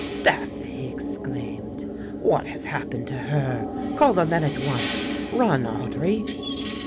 "'Sdeath," he exclaimed, "what has happened to her; call the men at once, run, Audry."